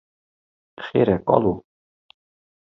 Xêr e kalo